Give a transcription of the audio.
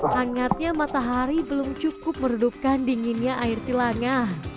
hangatnya matahari belum cukup meredupkan dinginnya air tilangah